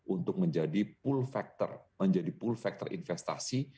untuk menjadi pool factor menjadi pool factor investasi